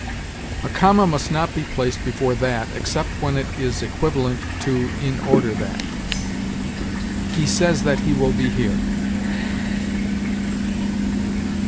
A comma must not be placed before that except when it is equivalent to in order that. "He says that he will be here."